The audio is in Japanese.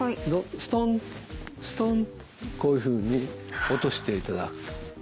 ストンストンとこういうふうに落としていただくと。